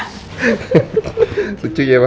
hehehe lucu ya emang